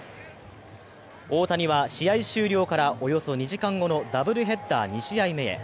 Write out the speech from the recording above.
大谷は試合終了からおよそ２時間後のダブルヘッダー２試合目へ。